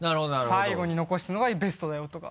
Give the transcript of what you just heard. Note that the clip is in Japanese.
最後に残すのがベストだよとか。